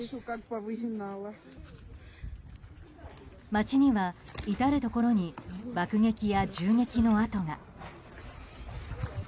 街には至るところに爆撃や銃撃の跡が。